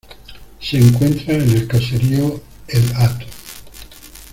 Se encuentra en el caserío El Hato.